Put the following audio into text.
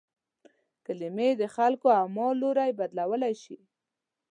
کلمې د خلکو اعمالو لوری بدلولای شي.